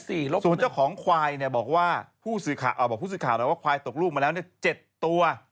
ส่วนเจ้าของควายบอกว่าผู้สื่อข่าวเลยว่าควายตกลูกมาแล้ว๗ตัว